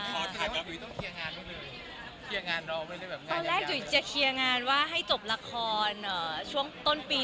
ขอถามกับดุ๋ยต้องเคียงงานบ้างเลย